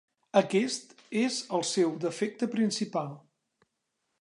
Aquest és el seu defecte principal.